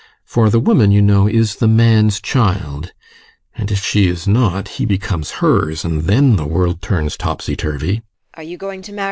For the woman, you know, is the man's child, and if she is not, he becomes hers, and then the world turns topsy turvy.